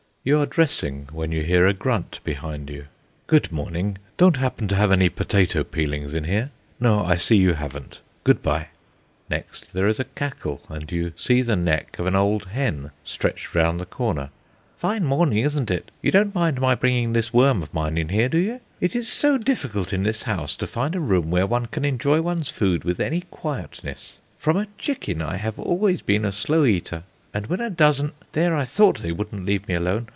You are dressing, when you hear a grunt behind you. "Good morning! Don't happen to have any potato peelings in here? No, I see you haven't; good bye." Next there is a cackle, and you see the neck of an old hen stretched round the corner. "Fine morning, isn't it? You don't mind my bringing this worm of mine in here, do you? It is so difficult in this house to find a room where one can enjoy one's food with any quietness. From a chicken I have always been a slow eater, and when a dozen there, I thought they wouldn't leave me alone.